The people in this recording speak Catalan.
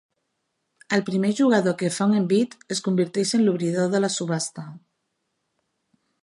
El primer jugador que fa un envit es converteix en l'obridor de la subhasta.